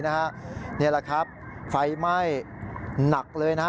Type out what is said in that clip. นี่แหละครับไฟไหม้หนักเลยนะ